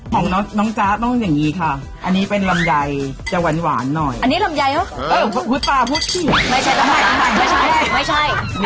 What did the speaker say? ของน้องจ๊ะต้องอย่างงี้ค่ะอันนี้เป็นลำไยที่จะหวานหน่อยอันนี้ลำไยโหเอร๋อภูตภาพภูตผิลที่